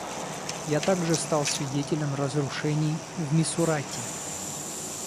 Я также стал свидетелем разрушений в Мисурате.